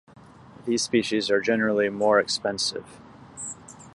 These species are generally more expensive.